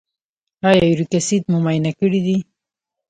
ایا یوریک اسید مو معاینه کړی دی؟